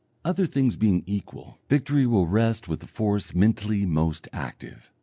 Other things being equal, victory will rest with the force mentally most active.